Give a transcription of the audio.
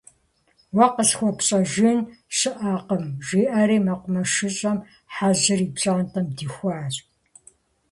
Уэ къысхуэпщӏэжын щыӏэкъым, - жиӏэри Мэкъумэшыщӏэм Хьэжьыр и пщӏантӏэм дихуащ.